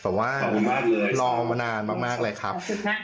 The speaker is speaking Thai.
แต่ว่ารอมานานมากเลยครับ